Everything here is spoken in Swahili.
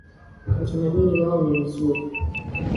Utamaduni wao ni mzuri.